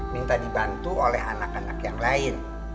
minta dibantu oleh anak anak yang lain